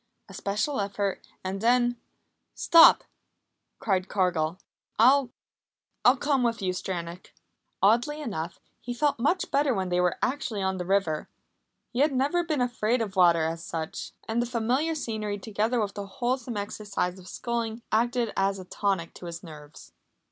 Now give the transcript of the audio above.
A special effort and then: "Stop!" cried Cargill. "I I'll come with you, Stranack." Oddly enough, he felt much better when they were actually on the river. He had never been afraid of water, as such. And the familiar scenery, together with the wholesome exercise of sculling, acted as a tonic to his nerves.